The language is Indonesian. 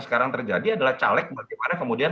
sekarang terjadi adalah caleg bagaimana kemudian